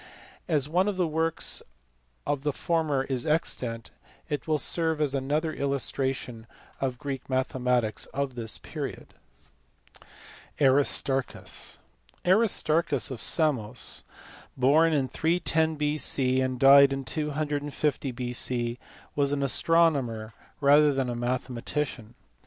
As one of the works of the former is extant it will serve as another illustration of Greek mathe matics of this period. Aristarchus. Aristarchus of Samos, born, in 310 B.C. and died in 250 B.C., was an astronomer rather than a mathema tician.